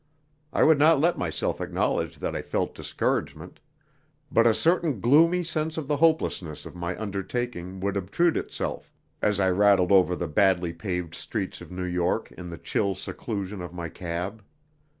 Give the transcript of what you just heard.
I would not let myself acknowledge that I felt discouragement, but a certain gloomy sense of the hopelessness of my undertaking would obtrude itself, as I rattled over the badly paved streets of New York in the chill seclusion of my cab.